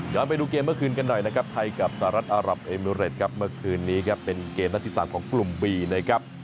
วิวออนไปดูเกมเมื่อคืนกันหน่อยนะครับไทยกับสหรัฐอัรบอิมิเครดนั้นเมื่อคืนนี้เป็นเกมหน้าที่สามของกลุ่มวีนะครับ